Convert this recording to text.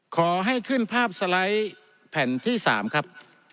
ขอให้ขึ้นภาพสไลด์แผ่นที่๓ครับ